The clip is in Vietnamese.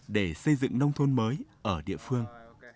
để xây dựng nông thôn mới ở địa phương